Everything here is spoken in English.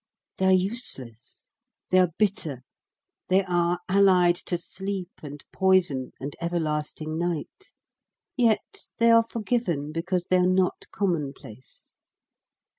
They are useless, they are bitter, they are allied to sleep and poison and everlasting night; yet they are forgiven because they are not commonplace.